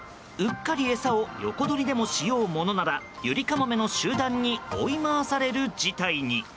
うっかり餌を横取りでもしようものならユリカモメの集団に追い回される事態に。